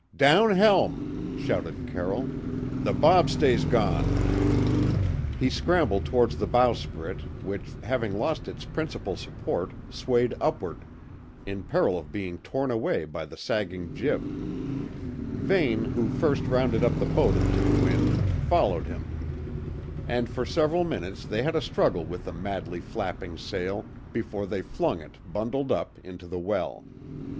"Down helm!" shouted Carroll. "The bobstay's gone." He scrambled towards the bowsprit, which, having lost its principal support, swayed upward, in peril of being torn away by the sagging jib. Vane, who first rounded up the boat into the wind, followed him; and for several minutes they had a struggle with the madly flapping sail, before they flung it, bundled up, into the well.